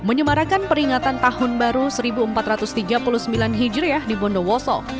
menyemarakan peringatan tahun baru seribu empat ratus tiga puluh sembilan hijriah di bondowoso